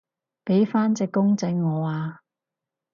畀返隻公仔我啊